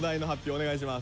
お願いします。